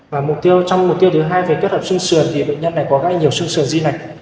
và trong mục tiêu thứ hai về kết hợp sân sườn thì bệnh nhân này có gây nhiều sân sườn di lệch